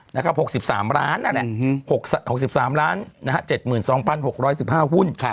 นะครับ๖๓ล้านนั่นแหละ๖๓ล้านนะฮะ๗๒๖๑๕หุ้น